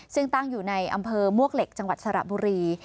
ซึ่งตั้งอยู่ในอำเภอมวกเหล็กจังหวัดสระบุรี